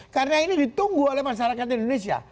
karena ini ditunggu oleh masyarakat indonesia